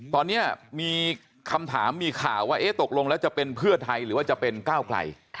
ตอนนี้มีคำถามมีข่าวว่าตกลงแล้วจะเป็นเพื่อไทยหรือว่าจะเป็นก้าวไกล